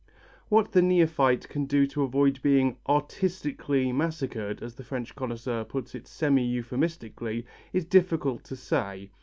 What the neophyte can do to avoid being "artistically" massacred, as the French connoisseur puts it semi euphemistically, is difficult to say.